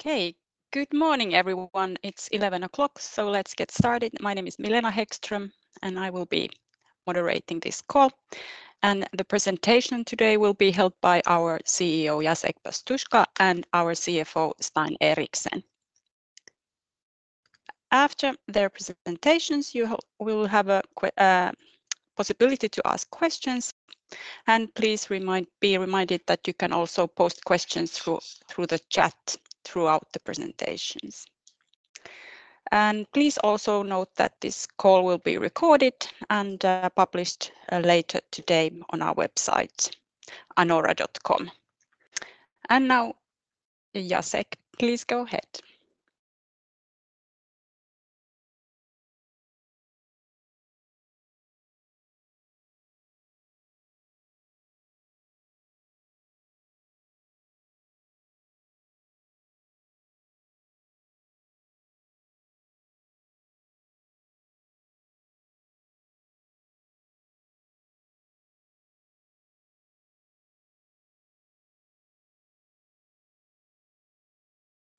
Okay, good morning everyone. It's 11:00 A.M., so let's get started. My name is Milena Häggström, and I will be moderating this call. The presentation today will be held by our CEO, Jacek Pastuszka, and our CFO, Stein Eriksen. After their presentations, you will have a possibility to ask questions. Please be reminded that you can also post questions through the chat throughout the presentations. Please also note that this call will be recorded and published later today on our website, anora.com. Now, Jacek, please go ahead.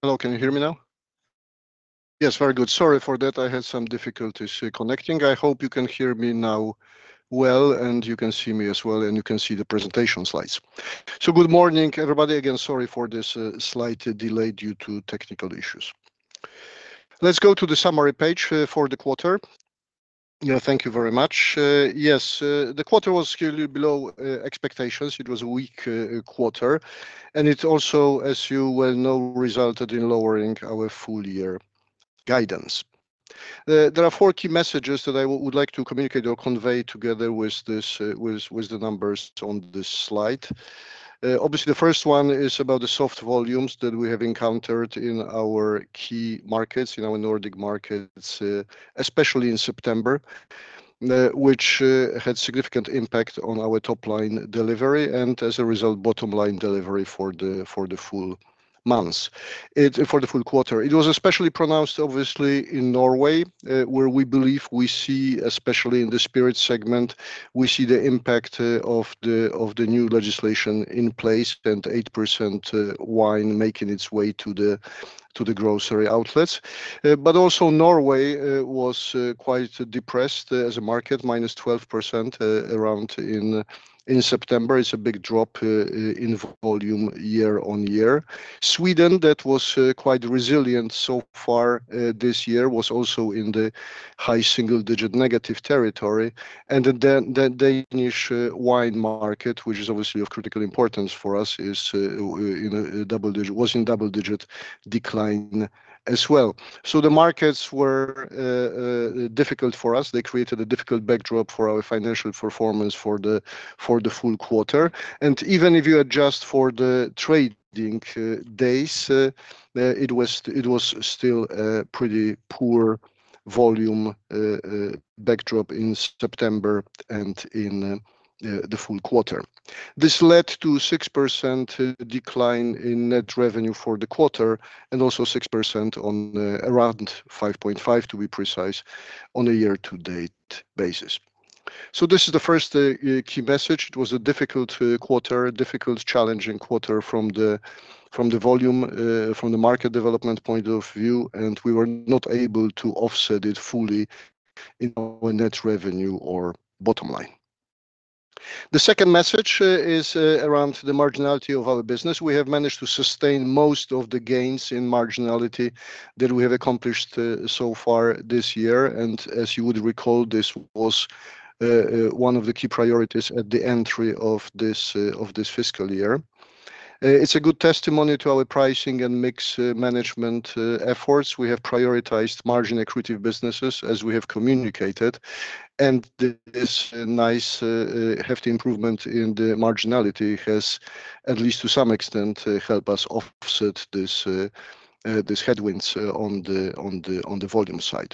Hello, can you hear me now? Yes, very good. Sorry for that, I had some difficulties connecting. I hope you can hear me now well, and you can see me as well, and you can see the presentation slides. Good morning, everybody. Again, sorry for this slight delay due to technical issues. Let's go to the summary page for the quarter. Thank you very much. Yes, the quarter was clearly below expectations. It was a weak quarter, and it also, as you well know, resulted in lowering our full-year guidance. There are four key messages that I would like to communicate or convey together with the numbers on this slide. Obviously, the first one is about the soft volumes that we have encountered in our key markets, in our Nordic markets, especially in September, which had a significant impact on our top-line delivery and, as a result, bottom-line delivery for the full quarter. It was especially pronounced, obviously, in Norway, where we believe we see, especially in the spirits segment, we see the impact of the new legislation in place about 8% wine making its way to the grocery outlets. But also, Norway was quite depressed as a market, minus 12% around in September. It's a big drop in volume year on year. Sweden, that was quite resilient so far this year, was also in the high single-digit negative territory. And the Danish wine market, which is obviously of critical importance for us, was in double-digit decline as well. The markets were difficult for us. They created a difficult backdrop for our financial performance for the full quarter. Even if you adjust for the trading days, it was still a pretty poor volume backdrop in September and in the full quarter. This led to a 6% decline in net revenue for the quarter and also 6% on around 5.5, to be precise, on a year-to-date basis. This is the first key message. It was a difficult quarter, a difficult, challenging quarter from the volume, from the market development point of view, and we were not able to offset it fully in our net revenue or bottom line. The second message is around the marginality of our business. We have managed to sustain most of the gains in marginality that we have accomplished so far this year. As you would recall, this was one of the key priorities at the entry of this fiscal year. It's a good testimony to our pricing and mix management efforts. We have prioritized margin-accretive businesses, as we have communicated. This nice hefty improvement in the marginality has, at least to some extent, helped us offset these headwinds on the volume side.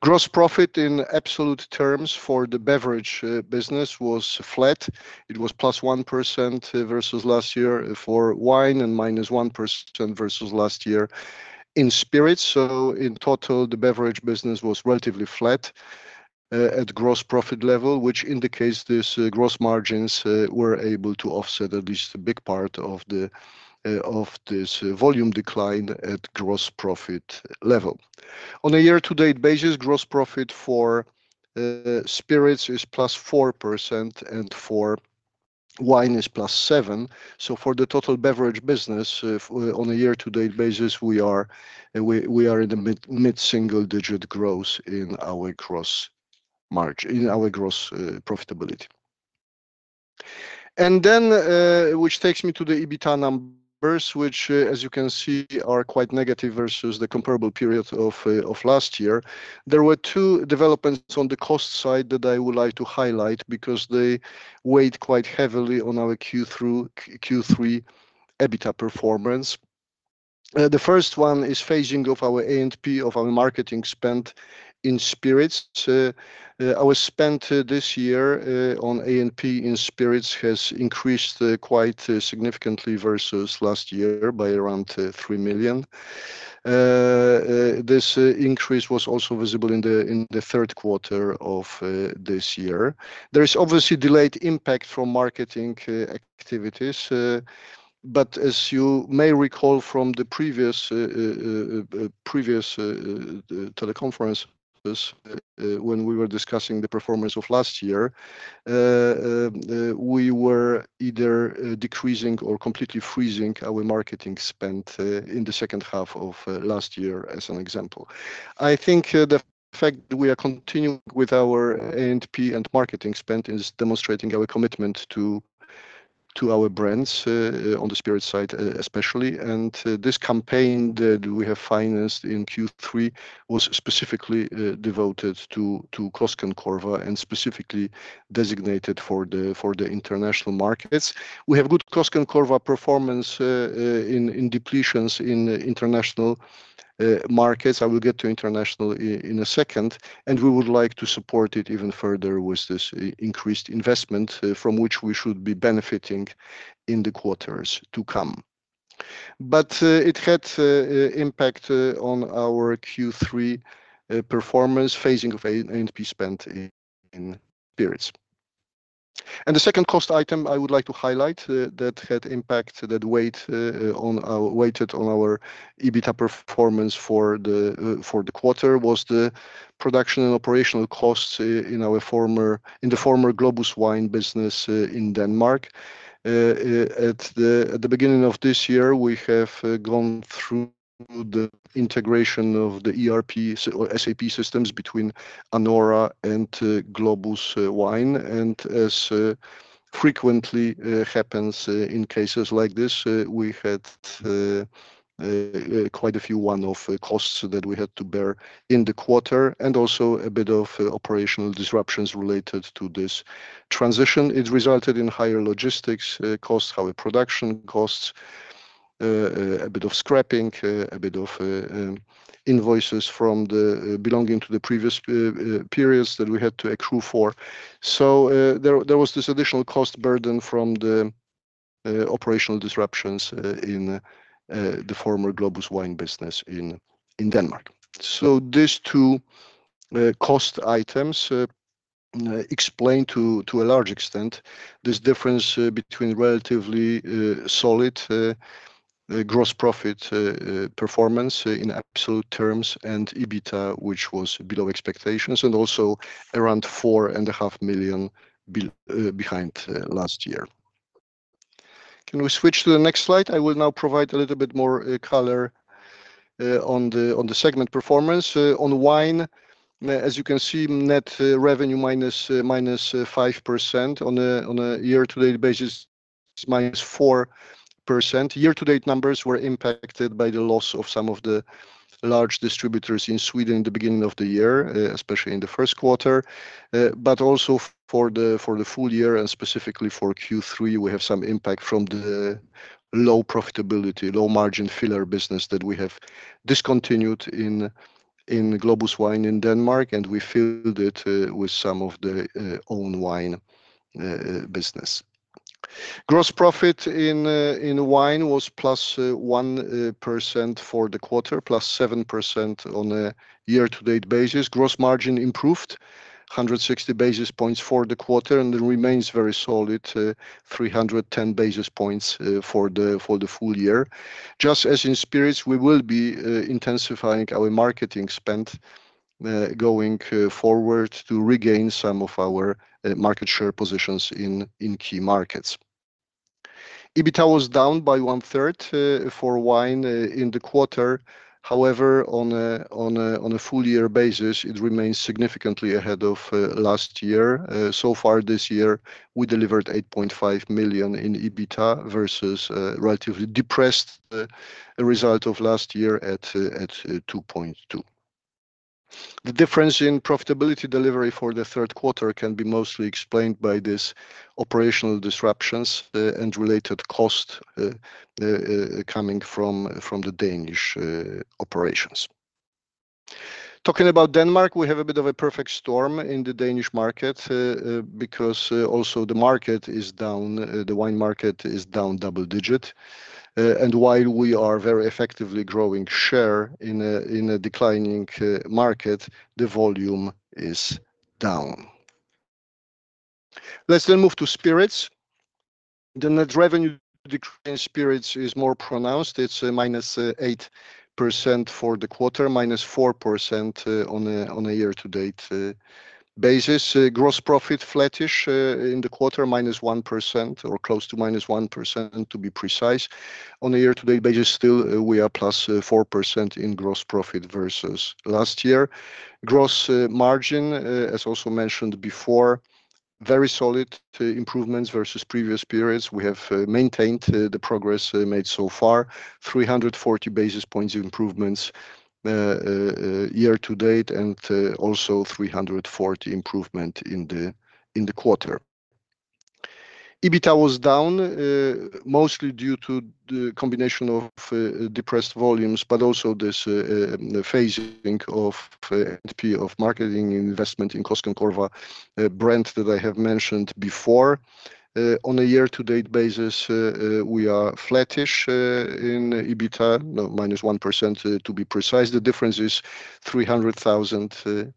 Gross profit in absolute terms for the beverage business was flat. It was plus 1% versus last year for wine and minus 1% versus last year in spirits. In total, the beverage business was relatively flat at gross profit level, which indicates these gross margins were able to offset at least a big part of this volume decline at gross profit level. On a year-to-date basis, gross profit for spirits is plus 4%, and for wine is plus 7%. For the total beverage business, on a year-to-date basis, we are in the mid-single-digit growth in our gross profitability. Which takes me to the EBITDA numbers, which, as you can see, are quite negative versus the comparable period of last year. There were two developments on the cost side that I would like to highlight because they weighed quite heavily on our Q3 EBITDA performance. The first one is phasing of our A&P of our marketing spend in spirits. Our spend this year on A&P in spirits has increased quite significantly versus last year by around 3 million. This increase was also visible in the third quarter of this year. There is obviously a delayed impact from marketing activities, but as you may recall from the previous teleconferences when we were discussing the performance of last year, we were either decreasing or completely freezing our marketing spend in the second half of last year, as an example. I think the fact that we are continuing with our A&P and marketing spend is demonstrating our commitment to our brands on the spirits side especially. This campaign that we have financed in Q3 was specifically devoted to Koskenkorva and specifically designated for the international markets. We have good Koskenkorva performance in depletions in international markets. I will get to international in a second. We would like to support it even further with this increased investment from which we should be benefiting in the quarters to come. But it had an impact on our Q3 performance, phasing of A&P spend in spirits. The second cost item I would like to highlight that had impact, that weighed on our EBITDA performance for the quarter was the production and operational costs in the former Globus Wine business in Denmark. At the beginning of this year, we have gone through the integration of the ERP SAP systems between Anora and Globus Wine. As frequently happens in cases like this, we had quite a few one-off costs that we had to bear in the quarter and also a bit of operational disruptions related to this transition. It resulted in higher logistics costs, higher production costs, a bit of scrapping, a bit of invoices belonging to the previous periods that we had to accrue for. There was this additional cost burden from the operational disruptions in the former Globus Wine business in Denmark. These two cost items explain to a large extent this difference between relatively solid gross profit performance in absolute terms and EBITA, which was below expectations, and also around 4.5 million behind last year. Can we switch to the next slide? I will now provide a little bit more color on the segment performance. On wine, as you can see, net revenue minus 5% on a year-to-date basis is minus 4%. Year-to-date numbers were impacted by the loss of some of the large distributors in Sweden in the beginning of the year, especially in the first quarter. But also for the full year and specifically for Q3, we have some impact from the low profitability, low margin filler business that we have discontinued in Globus Wine in Denmark, and we filled it with some of the own wine business. Gross profit in wine was plus 1% for the quarter, plus 7% on a year-to-date basis. Gross margin improved, 160 basis points for the quarter, and it remains very solid, 310 basis points for the full year. Just as in spirits, we will be intensifying our marketing spend going forward to regain some of our market share positions in key markets. EBITA was down by one-third for wine in the quarter. However, on a full-year basis, it remains significantly ahead of last year. So far this year, we delivered 8.5 million in EBITA versus a relatively depressed result of last year at 2.2 million. The difference in profitability delivery for the third quarter can be mostly explained by these operational disruptions and related costs coming from the Danish operations. Talking about Denmark, we have a bit of a perfect storm in the Danish market because also the market is down, the wine market is down double-digit. While we are very effectively growing share in a declining market, the volume is down. Let's then move to spirits. The net revenue decrease in spirits is more pronounced. It's minus 8% for the quarter, minus 4% on a year-to-date basis. Gross profit flattish in the quarter, minus 1% or close to minus 1% to be precise. On a year-to-date basis, still we are plus 4% in gross profit versus last year. Gross margin, as also mentioned before, very solid improvements versus previous periods. We have maintained the progress made so far, 340 basis points improvements year-to-date and also 340 improvement in the quarter. EBITA was down mostly due to the combination of depressed volumes, but also this phasing of marketing investment in Koskenkorva brand that I have mentioned before. On a year-to-date basis, we are flattish in EBITA, minus 1% to be precise. The difference is 300,000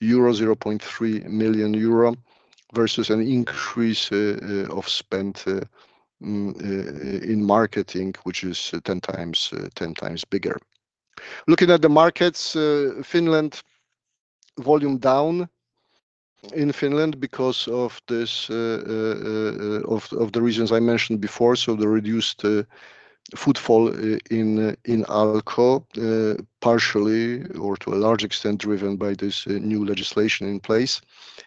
euro, 0.3 million euro versus an increase of spend in marketing, which is 10 times bigger. Looking at the markets, Finland volume down in Finland because of the reasons I mentioned before. The reduced footfall in Alko, partially or to a large extent driven by this new legislation in place,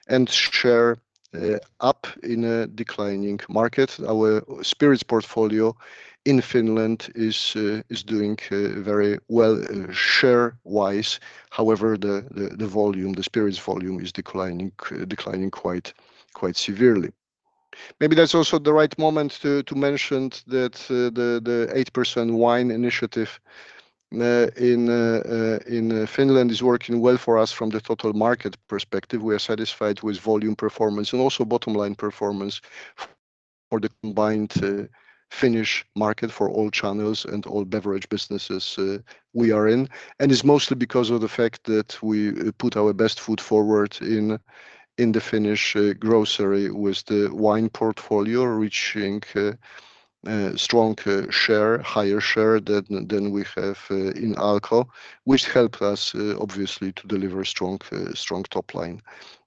and share up in a declining market. Our spirits portfolio in Finland is doing very well share-wise. However, the volume, the spirits volume is declining quite severely. Maybe that's also the right moment to mention that the 8% wine initiative in Finland is working well for us from the total market perspective. We are satisfied with volume performance and also bottom-line performance for the combined Finnish market for all channels and all beverage businesses we are in. It's mostly because of the fact that we put our best foot forward in the Finnish grocery with the wine portfolio reaching strong share, higher share than we have in Alko, which helped us obviously to deliver strong top line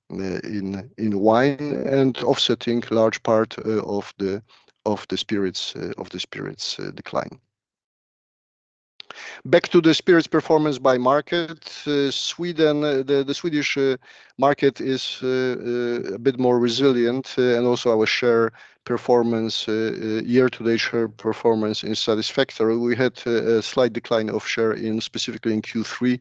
in wine and offsetting large part of the spirits decline. Back to the spirits performance by market. The Swedish market is a bit more resilient, and also our share performance, year-to-date share performance is satisfactory. We had a slight decline of share specifically in Q3,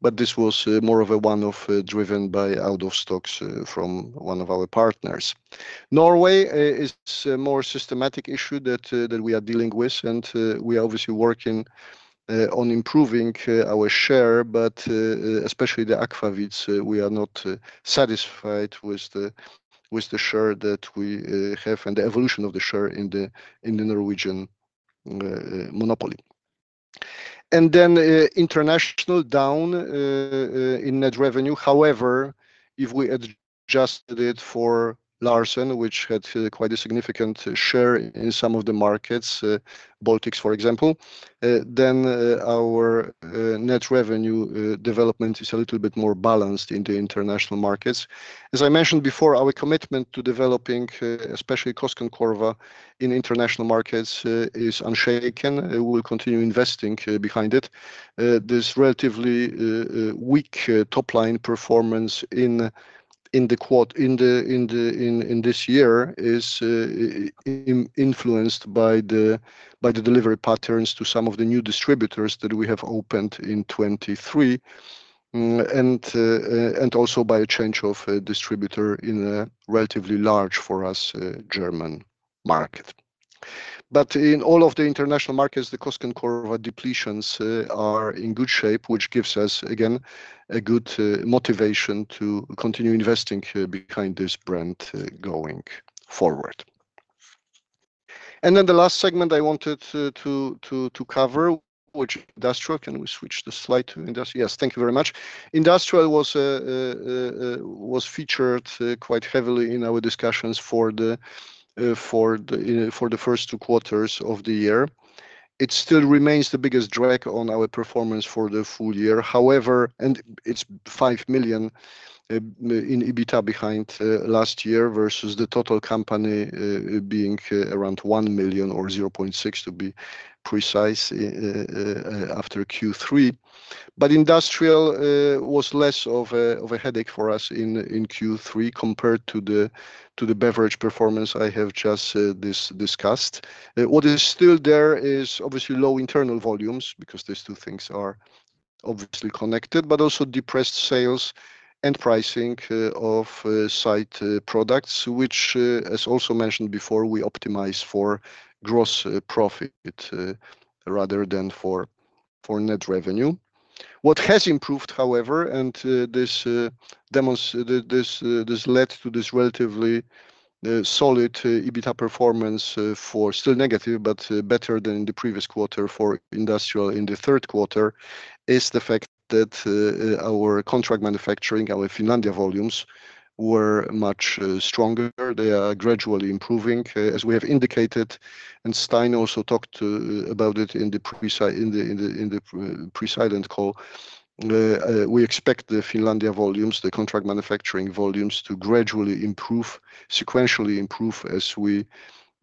but this was more of a one-off driven by out-of-stocks from one of our partners. Norway is a more systematic issue that we are dealing with, and we are obviously working on improving our share, but especially the aquavits, we are not satisfied with the share that we have and the evolution of the share in the Norwegian monopoly. Then international down in net revenue. However, if we adjusted it for Larsen, which had quite a significant share in some of the markets, Baltics, for example, then our net revenue development is a little bit more balanced in the international markets. As I mentioned before, our commitment to developing, especially Koskenkorva in international markets, is unshaken. We will continue investing behind it. This relatively weak top line performance in the quarter in this year is influenced by the delivery patterns to some of the new distributors that we have opened in 2023 and also by a change of distributor in a relatively large for us German market. But in all of the international markets, the Koskenkorva depletions are in good shape, which gives us, again, a good motivation to continue investing behind this brand going forward. Then the last segment I wanted to cover, which is industrial. Can we switch the slide to industrial? Yes, thank you very much. Industrial was featured quite heavily in our discussions for the first two quarters of the year. It still remains the biggest drag on our performance for the full year. However, it's 5 million in EBITA behind last year versus the total company being around 1 million or 0.6 million to be precise after Q3. But industrial was less of a headache for us in Q3 compared to the beverage performance I have just discussed. What is still there is obviously low internal volumes because these two things are obviously connected, but also depressed sales and pricing of side products, which, as also mentioned before, we optimize for gross profit rather than for net revenue. What has improved, however, and this led to this relatively solid EBITA performance for still negative, but better than in the previous quarter for industrial in the third quarter, is the fact that our contract manufacturing, our Finlandia volumes were much stronger. They are gradually improving, as we have indicated, and Stein also talked about it in the pre-silent call. We expect the Finlandia volumes, the contract manufacturing volumes to gradually improve, sequentially improve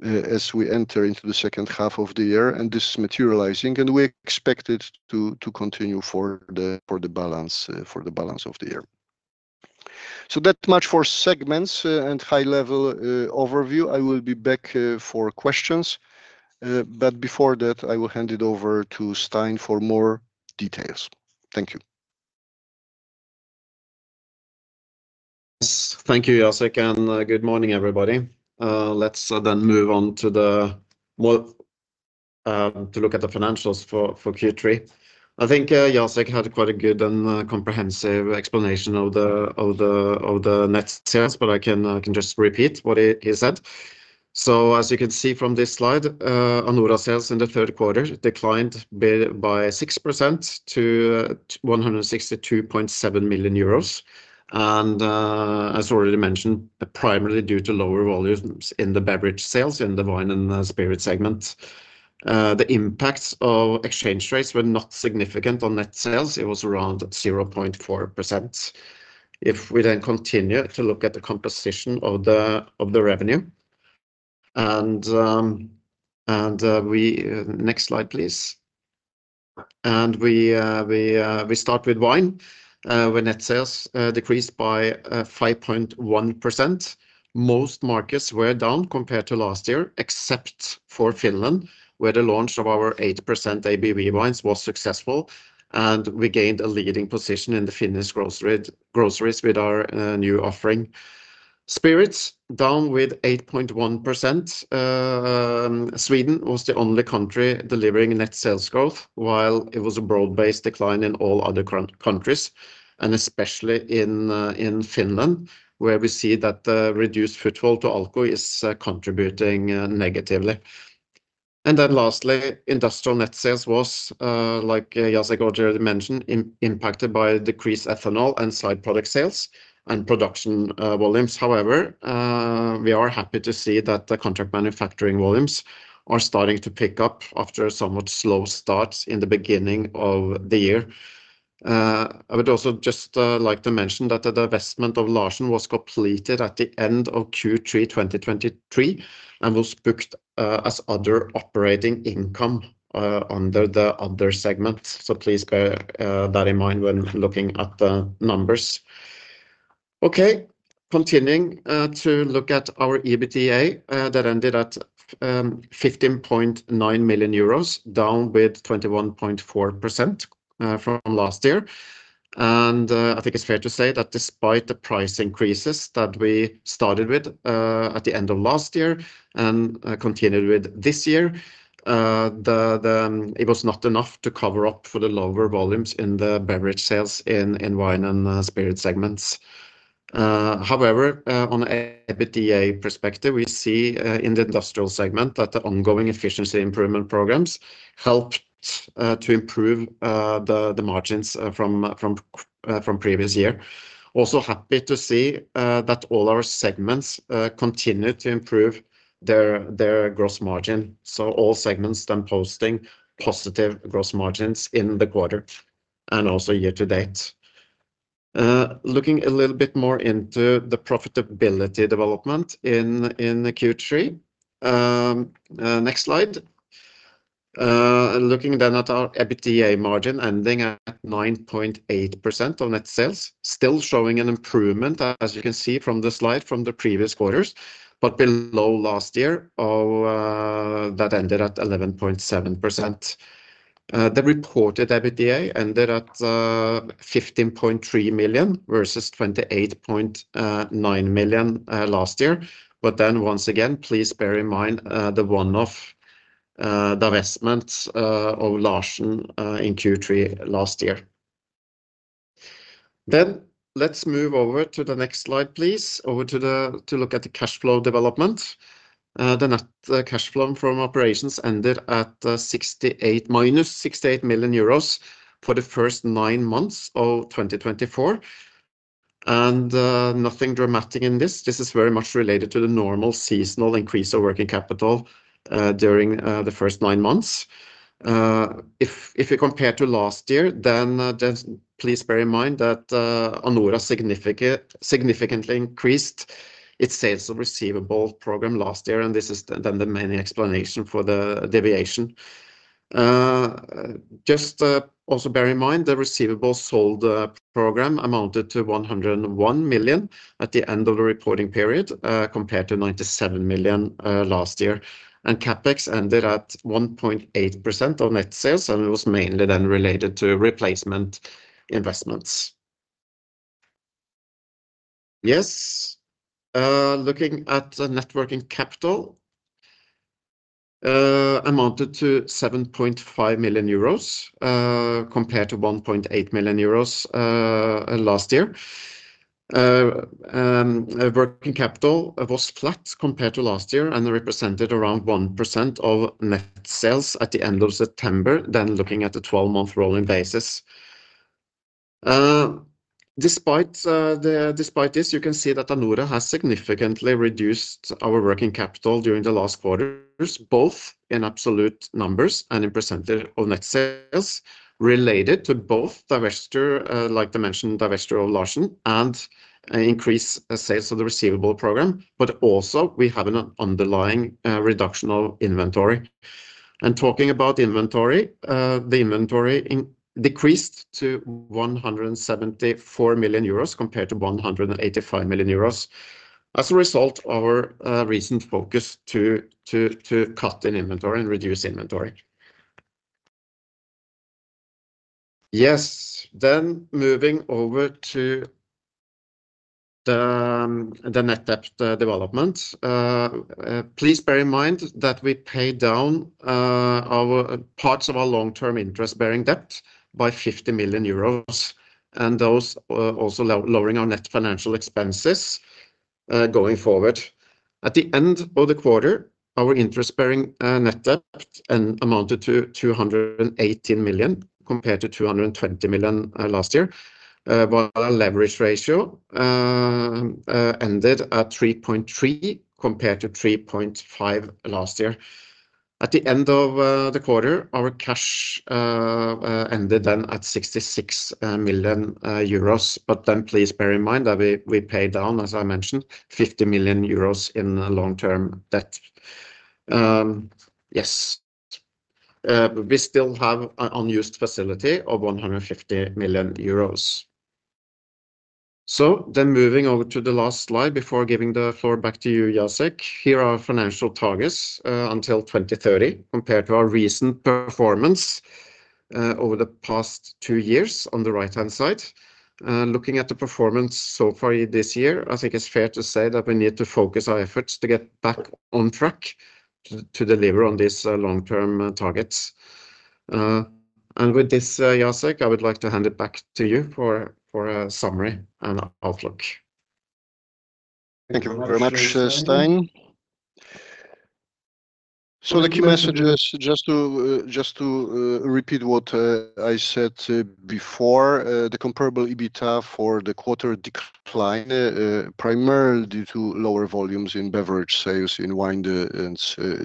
as we enter into the second half of the year, and this is materializing, and we expect it to continue for the balance of the year. That much for segments and high-level overview. I will be back for questions, but before that, I will hand it over to Stein for more details. Thank you. Thank you, Jacek. And good morning, everybody. Let's then move on to look at the financials for Q3. I think Jacek had quite a good and comprehensive explanation of the net sales, but I can just repeat what he said. As you can see from this slide, Anora sales in the third quarter declined by 6% to 162.7 million euros. As already mentioned, primarily due to lower volumes in the beverage sales, in the wine and spirit segment. The impacts of exchange rates were not significant on net sales. It was around 0.4%. If we then continue to look at the composition of the revenue, next slide, please. We start with wine where net sales decreased by 5.1%. Most markets were down compared to last year, except for Finland, where the launch of our 8% ABV wines was successful, and we gained a leading position in the Finnish groceries with our new offering. Spirits down with 8.1%. Sweden was the only country delivering net sales growth, while it was a broad-based decline in all other countries, and especially in Finland, where we see that the reduced footfall to Alko is contributing negatively. Then lastly, industrial net sales was, like Jacek already mentioned, impacted by decreased ethanol and side product sales and production volumes. However, we are happy to see that the contract manufacturing volumes are starting to pick up after somewhat slow starts in the beginning of the year. I would also just like to mention that the divestment of Larsen was completed at the end of Q3 2023 and was booked as other operating income under the other segment. Please bear that in mind when looking at the numbers. Continuing to look at our EBITDA, that ended at 15.9 million EUR, down 21.4% from last year. I think it's fair to say that despite the price increases that we started with at the end of last year and continued with this year, it was not enough to cover up for the lower volumes in the beverage sales in wine and spirit segments. However, on an EBITDA perspective, we see in the industrial segment that the ongoing efficiency improvement programs helped to improve the margins from previous year. Also happy to see that all our segments continue to improve their gross margin. All segments then posting positive gross margins in the quarter and also year-to-date. Looking a little bit more into the profitability development in Q3. Next slide. Looking then at our EBITDA margin ending at 9.8% of net sales, still showing an improvement, as you can see from the slide from the previous quarters, but below last year that ended at 11.7%. The reported EBITDA ended at 15.3 million versus 28.9 million last year. But then once again, please bear in mind the one-off divestment of Larsen in Q3 last year. Then let's move over to the next slide, please, over to look at the cash flow development. The net cash flow from operations ended at minus 68 million euros for the first nine months of 2024. Nothing dramatic in this. This is very much related to the normal seasonal increase of working capital during the first nine months. If we compare to last year, then please bear in mind that Anora significantly increased its sales of receivables program last year, and this is then the main explanation for the deviation. Just also bear in mind the receivables sold program amounted to 101 million at the end of the reporting period compared to 97 million last year. CapEx ended at 1.8% of net sales, and it was mainly then related to replacement investments. Yes. Looking at net working capital, amounted to 7.5 million euros compared to 1.8 million euros last year. Working capital was flat compared to last year and represented around 1% of net sales at the end of September, then looking at a 12-month rolling basis. Despite this, you can see that Anora has significantly reduced our working capital during the last quarters, both in absolute numbers and in percentage of net sales related to both, like I mentioned, divestiture of Larsen and increased sales of the receivable program, but also we have an underlying reduction of inventory. Talking about inventory, the inventory decreased to 174 million euros compared to 185 million euros as a result of our recent focus to cut in inventory and reduce inventory. Yes. Then moving over to the net debt development. Please bear in mind that we paid down parts of our long-term interest-bearing debt by 50 million euros, and those also lowering our net financial expenses going forward. At the end of the quarter, our interest-bearing net debt amounted to 218 million compared to 220 million last year, while our leverage ratio ended at 3.3 compared to 3.5 last year. At the end of the quarter, our cash ended then at 66 million euros, but then please bear in mind that we paid down, as I mentioned, 50 million euros in long-term debt. Yes. We still have an unused facility of 150 million euros. Then moving over to the last slide before giving the floor back to you, Jacek. Here are financial targets until 2030 compared to our recent performance over the past two years on the right-hand side. Looking at the performance so far this year, I think it's fair to say that we need to focus our efforts to get back on track to deliver on these long-term targets. With this, Jacek, I would like to hand it back to you for a summary and outlook. Thank you very much, Stein. The key message is just to repeat what I said before. The comparable EBITDA for the quarter declined primarily due to lower volumes in beverage sales in wine and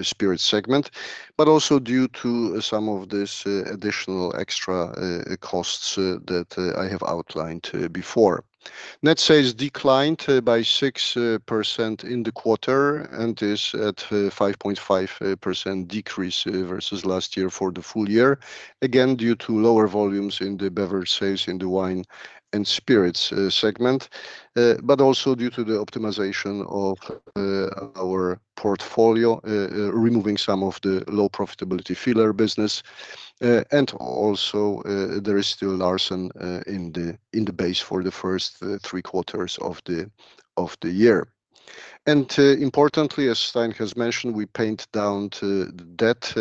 spirit segment, but also due to some of these additional extra costs that I have outlined before. Net sales declined by 6% in the quarter and is at 5.5% decrease versus last year for the full year, again due to lower volumes in the beverage sales in the wine and spirits segment, but also due to the optimization of our portfolio, removing some of the low profitability filler business. Also, there is still Larsen in the base for the first three quarters of the year. Importantly, as Stein has mentioned, we paid down debt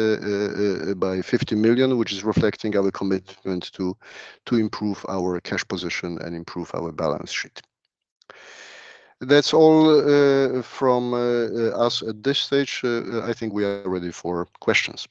by 50 million, which is reflecting our commitment to improve our cash position and improve our balance sheet. That's all from us at this stage. I think we are ready for questions.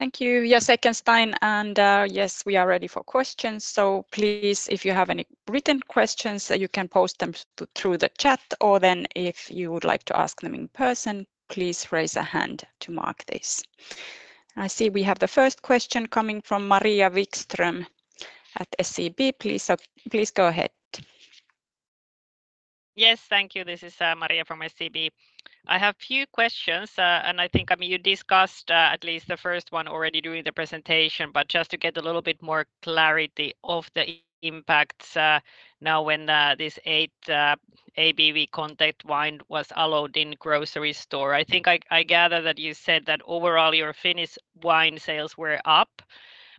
Thank you, Jacek and Stein. Yes, we are ready for questions. Please, if you have any written questions, you can post them through the chat, or then if you would like to ask them in person, please raise a hand to mark this. I see we have the first question coming from Maria Wikström at SEB. Please go ahead. Yes, thank you. This is Maria from SEB. I have a few questions. I think you discussed at least the first one already during the presentation, but just to get a little bit more clarity of the impacts now when this 8% ABV wine was allowed in grocery store. I think I gather that you said that overall your Finnish wine sales were up,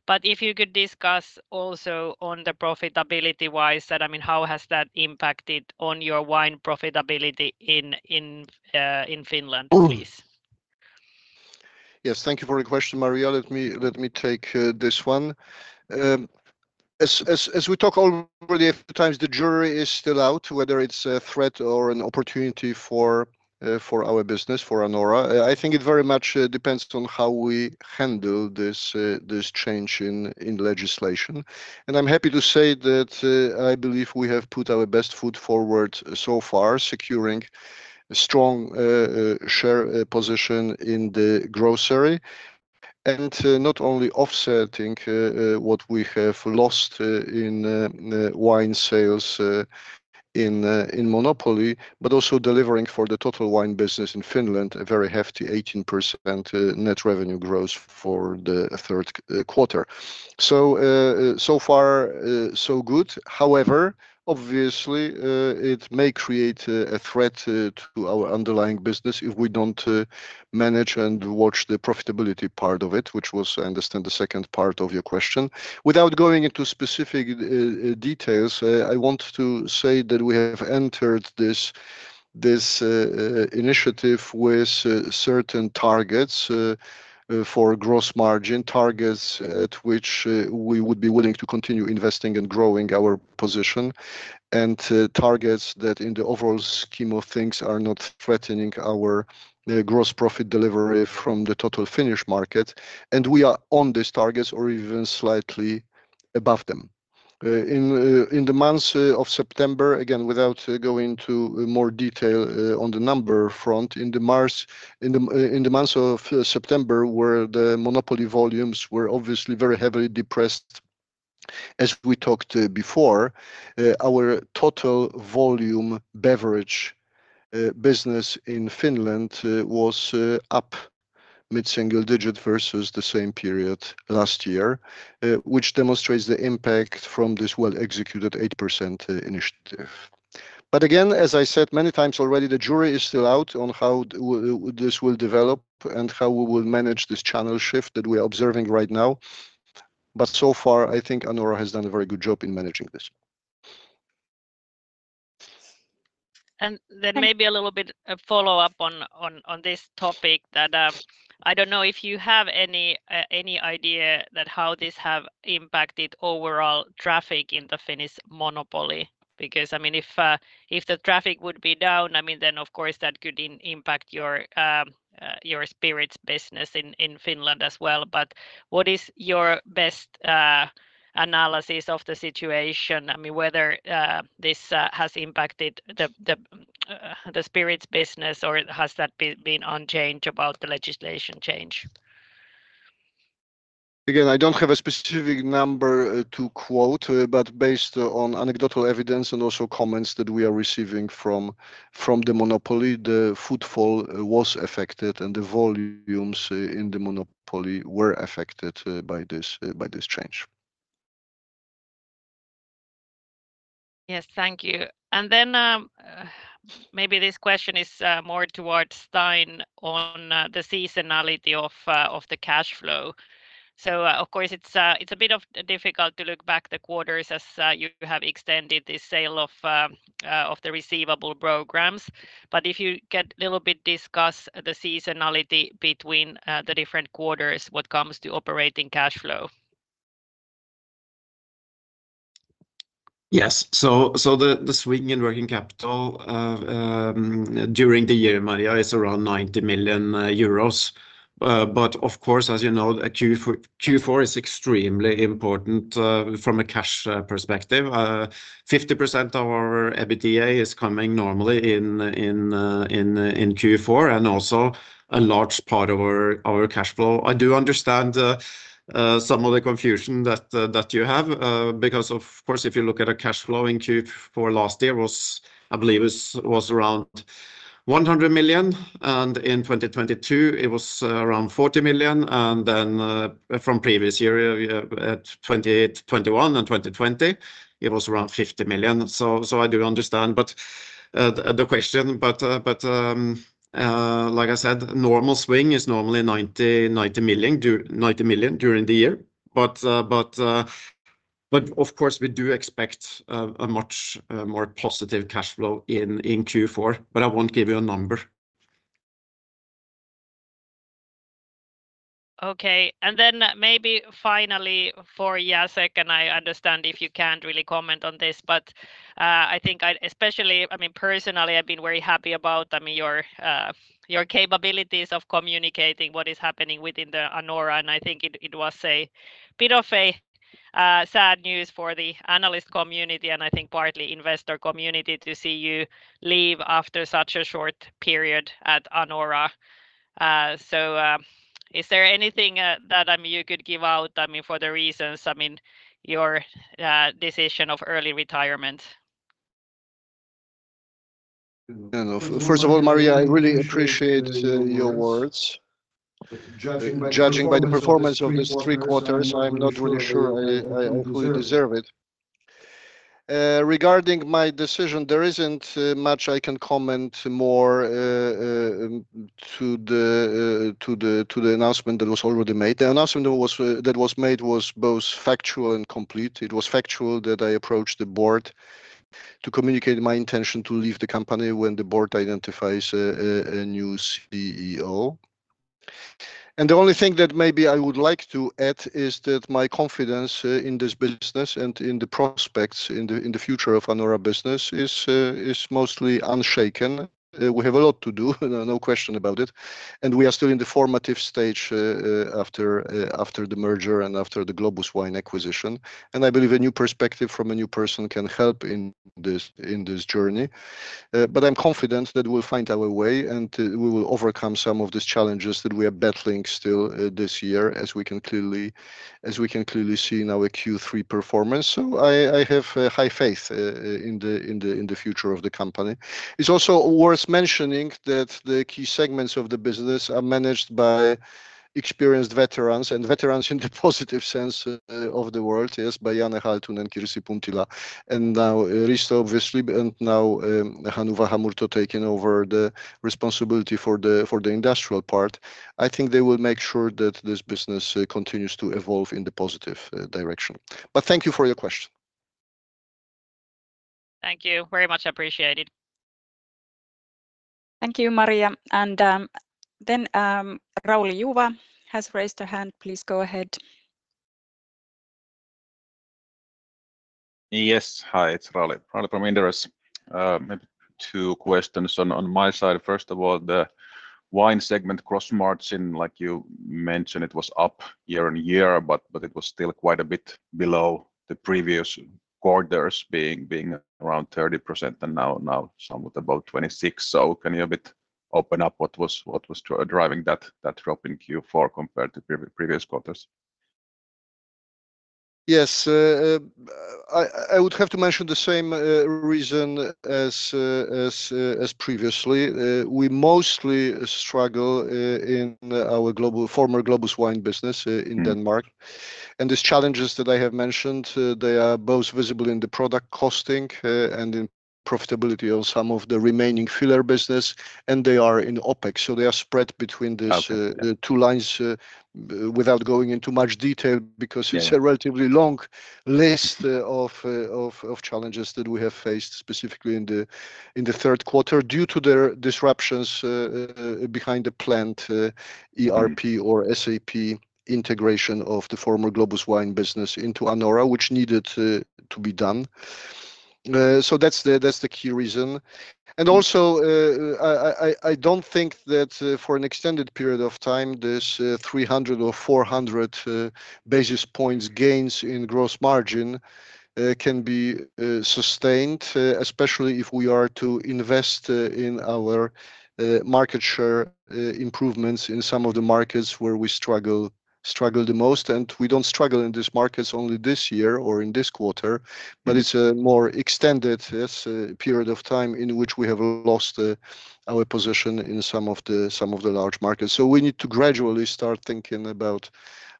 but if you could discuss also on the profitability wise, how has that impacted on your wine profitability in Finland? Please. Yes, thank you for the question, Maria. Let me take this one. As we talk already a few times, the jury is still out whether it's a threat or an opportunity for our business, for Anora. I think it very much depends on how we handle this change in legislation. I'm happy to say that I believe we have put our best foot forward so far, securing a strong share position in the grocery and not only offsetting what we have lost in wine sales in monopoly, but also delivering for the total wine business in Finland a very hefty 18% net revenue growth for the third quarter. So far, so good. However, obviously, it may create a threat to our underlying business if we don't manage and watch the profitability part of it, which was, I understand, the second part of your question. Without going into specific details, I want to say that we have entered this initiative with certain targets for gross margin targets at which we would be willing to continue investing and growing our position and targets that in the overall scheme of things are not threatening our gross profit delivery from the total Finnish market. We are on these targets or even slightly above them. In the months of September, again, without going into more detail on the number front, in the months of September, where the Monopoly volumes were obviously very heavily depressed, as we talked before, our total volume beverage business in Finland was up mid-single digit versus the same period last year, which demonstrates the impact from this well-executed 8% initiative. But again, as I said many times already, the jury is still out on how this will develop and how we will manage this channel shift that we are observing right now. But so far, I think Anora has done a very good job in managing this. Then maybe a little bit of follow-up on this topic. I don't know if you have any idea how this has impacted overall traffic in the Finnish Monopoly, because if the traffic would be down, then of course that could impact your spirits business in Finland as well. But what is your best analysis of the situation, whether this has impacted the spirits business or has that been unchanged about the legislation change? Again, I don't have a specific number to quote, but based on anecdotal evidence and also comments that we are receiving from the Monopoly, the footfall was affected and the volumes in the Monopoly were affected by this change. Yes, thank you. Then maybe this question is more towards Stein on the seasonality of the cash flow. Of course, it's a bit difficult to look back the quarters as you have extended the sale of the receivables sold program. But if you could a little bit discuss the seasonality between the different quarters when it comes to operating cash flow. Yes. The seasonal working capital during the year, Maria, is around 90 million euros. But of course, as you know, Q4 is extremely important from a cash perspective. 50% of our EBITDA is coming normally in Q4 and also a large part of our cash flow. I do understand some of the confusion that you have, because of course, if you look at our cash flow in Q4 last year, I believe it was around 100 million EUR. In 2022, it was around 40 million EUR. Then from previous year at 2021 and 2020, it was around 50 million EUR. I do understand the question, but like I said, normal swing is normally 90 million EUR during the year. But of course, we do expect a much more positive cash flow in Q4, but I won't give you a number. Okay. Then maybe finally for Jacek, and I understand if you can't really comment on this, but I think especially personally, I've been very happy about your capabilities of communicating what is happening within Anora. I think it was a bit of sad news for the analyst community, and I think partly investor community to see you leave after such a short period at Anora. Is there anything that you could give out for the reasons your decision of early retirement? First of all, Maria, I really appreciate your words. Judging by the performance of these three quarters, I'm not really sure I fully deserve it. Regarding my decision, there isn't much I can comment more to the announcement that was already made. The announcement that was made was both factual and complete. It was factual that I approached the board to communicate my intention to leave the company when the board identifies a new CEO. The only thing that maybe I would like to add is that my confidence in this business and in the prospects in the future of Anora business is mostly unshaken. We have a lot to do, no question about it. We are still in the formative stage after the merger and after the Globus Wine acquisition. I believe a new perspective from a new person can help in this journey. But I'm confident that we'll find our way and we will overcome some of these challenges that we are battling still this year, as we can clearly see in our Q3 performance. I have high faith in the future of the company. It's also worth mentioning that the key segments of the business are managed by experienced veterans and veterans in the positive sense of the word, yes, by Janne Halttunen and Kirsi Puntila. Now, Risto obviously, and now Hannu Vähämurto taking over the responsibility for the industrial part. I think they will make sure that this business continues to evolve in the positive direction. But thank you for your question. Thank you very much. Appreciate it. Thank you, Maria. Then Rauli Juva has raised a hand. Please go ahead. Yes. Hi, it's Rauli from Inderes. Two questions on my side. First of all, the wine segment gross margin, like you mentioned, it was up year on year, but it was still quite a bit below the previous quarters, being around 30% and now somewhat about 26%. Can you a bit open up what was driving that drop in Q4 compared to previous quarters? Yes. I would have to mention the same reason as previously. We mostly struggle in our former Globus Wine business in Denmark. These challenges that I have mentioned, they are both visible in the product costing and in profitability of some of the remaining filler business, and they are in OPEX. They are spread between these two lines without going into much detail because it's a relatively long list of challenges that we have faced specifically in the third quarter due to the disruptions behind the plant ERP or SAP integration of the former Globus Wine business into Anora, which needed to be done. That's the key reason. Also, I don't think that for an extended period of time, this 300 or 400 basis points gains in gross margin can be sustained, especially if we are to invest in our market share improvements in some of the markets where we struggle the most. We don't struggle in these markets only this year or in this quarter, but it's a more extended period of time in which we have lost our position in some of the large markets. We need to gradually start thinking about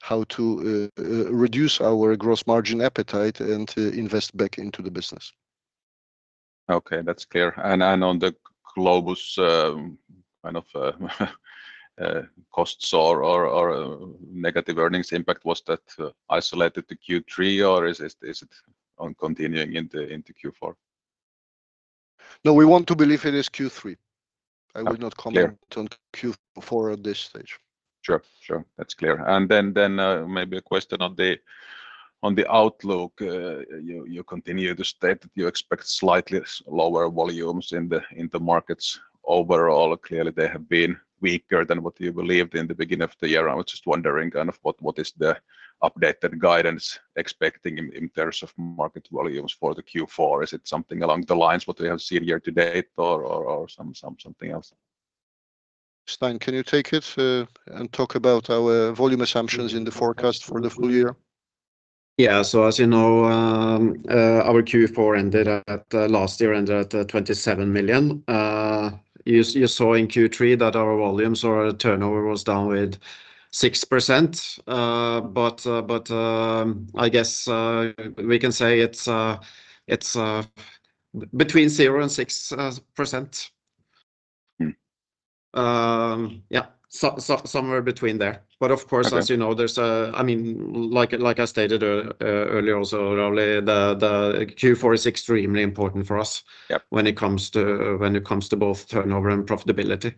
how to reduce our gross margin appetite and invest back into the business. Okay. That's clear. On the Globus costs or negative earnings impact, was that isolated to Q3, or is it continuing into Q4? No, we want to believe it is Q3. I will not comment on Q4 at this stage. Sure. That's clear. Then maybe a question on the outlook. You continue to state that you expect slightly lower volumes in the markets overall. Clearly, they have been weaker than what you believed in the beginning of the year. I was just wondering what is the updated guidance expecting in terms of market volumes for Q4? Is it something along the lines of what we have seen year to date or something else? Stein, can you take it and talk about our volume assumptions in the forecast for the full year? Yeah. As you know, our Q4 ended last year at 27 million. You saw in Q3 that our volumes or turnover was down with 6%. But I guess we can say it's between 0% and 6%. Yeah, somewhere between there. But of course, as you know, like I stated earlier, also the Q4 is extremely important for us when it comes to both turnover and profitability.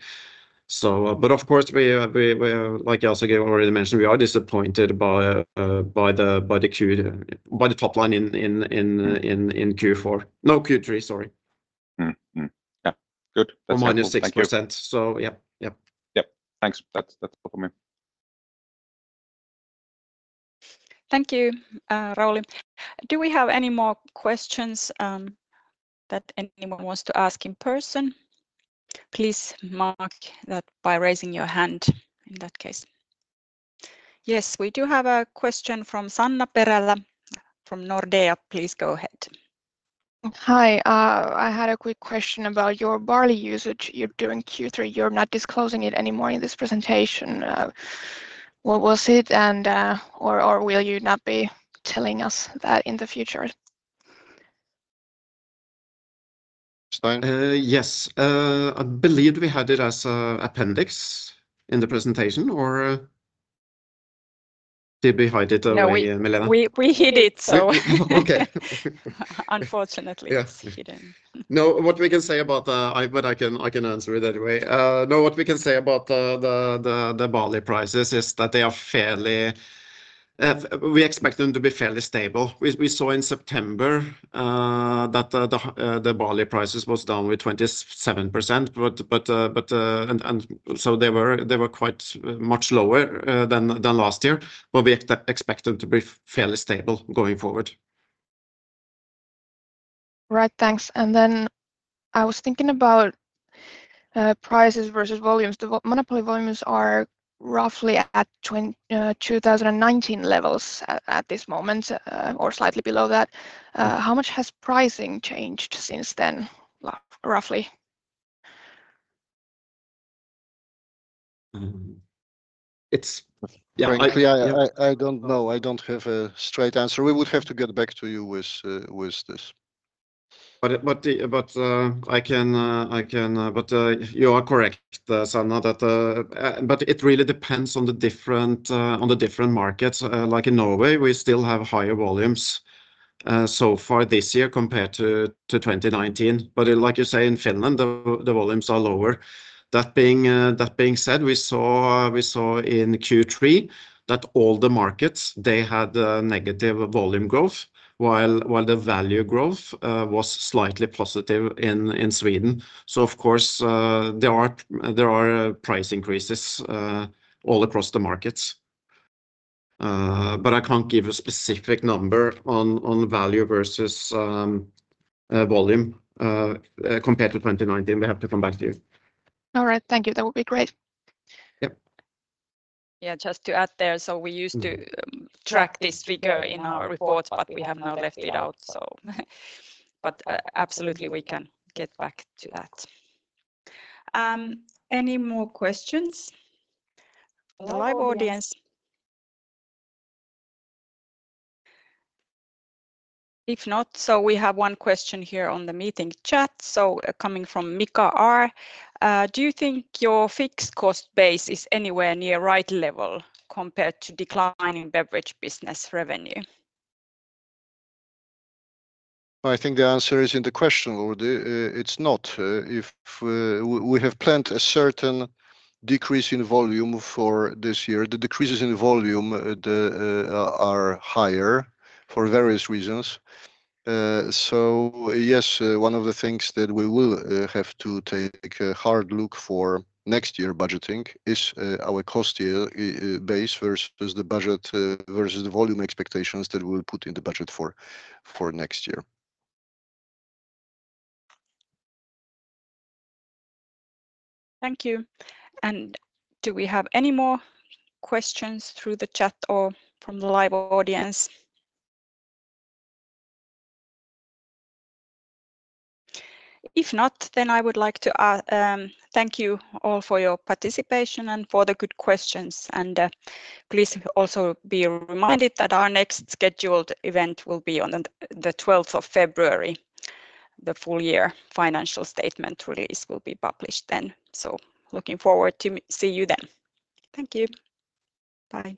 But of course, like I also already mentioned, we are disappointed by the top line in Q4. No, Q3, sorry. Yeah. Good. That's fine. -6%. Yeah. Thanks. That's all from me. Thank you, Rauli. Do we have any more questions that anyone wants to ask in person? Please mark that by raising your hand in that case. Yes, we do have a question from Sanna Perälä from Nordea. Please go ahead. Hi. I had a quick question about your barley usage. You're doing Q3. You're not disclosing it anymore in this presentation. What was it, or will you not be telling us that in the future? Stein? Yes. I believe we had it as an appendix in the presentation, or did we hide it, Milena? We hid it, so. Unfortunately, it's hidden. I can answer it anyway. What we can say about the barley prices is that they are fairly stable. We expect them to be fairly stable. We saw in September that the barley prices was down with 27%, and so they were quite much lower than last year, but we expect them to be fairly stable going forward. Right. Thanks. Then I was thinking about prices versus volumes. The Monopoly volumes are roughly at 2019 levels at this moment, or slightly below that. How much has pricing changed since then, roughly? It's. Yeah, I don't know. I don't have a straight answer. We would have to get back to you with this. But I can. But you are correct, Sanna. But it really depends on the different markets. Like in Norway, we still have higher volumes so far this year compared to 2019. But like you say, in Finland, the volumes are lower. That being said, we saw in Q3 that all the markets, they had negative volume growth, while the value growth was slightly positive in Sweden. Of course, there are price increases all across the markets. But I can't give a specific number on value versus volume compared to 2019. We have to come back to you. All right. Thank you. That would be great. Yeah. Yeah. Just to add there, we used to track this figure in our report, but we have now left it out, but absolutely, we can get back to that. Any more questions? Live audience? If not, we have one question here on the meeting chat. Coming from Mika R., do you think your fixed cost base is anywhere near right level compared to declining beverage business revenue? I think the answer is in the question already. It's not. We have planned a certain decrease in volume for this year. The decreases in volume are higher for various reasons. Yes, one of the things that we will have to take a hard look for next year budgeting is our cost base versus the budget versus the volume expectations that we will put in the budget for next year. Thank you. Do we have any more questions through the chat or from the live audience? If not, then I would like to thank you all for your participation and for the good questions. Please also be reminded that our next scheduled event will be on the 12th of February. The full year financial statement release will be published then. Looking forward to seeing you then. Thank you. Bye.